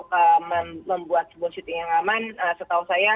karena untuk membuat sebuah syuting yang aman setahu setahu